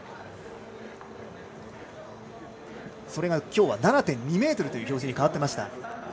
それが今日は７．２ｍという表示に変わっていました。